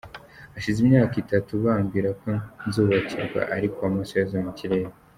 Hashize imyaka itatu bambwira ko nzubakirwa ariko amaso yaheze mu kirere.